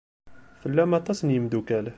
Tlam aṭas n yimeddukal.